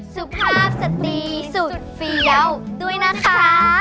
สุภาพสตรีสุดเฟี้ยวด้วยนะคะ